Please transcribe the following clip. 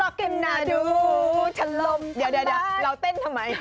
ฉันลมเดี๋ยวเราเต้นทำไม